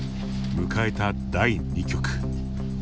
迎えた、第二局。